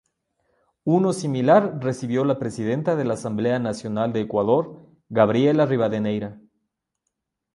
Uno similar recibió la presidenta de la Asamblea Nacional de Ecuador, Gabriela Rivadeneira